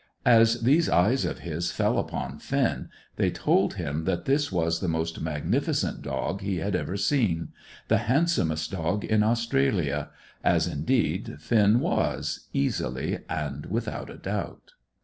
As these eyes of his fell upon Finn, they told him that this was the most magnificent dog he had ever seen; the handsomest dog in Australia; as indeed Finn was, easily, and without a doubt.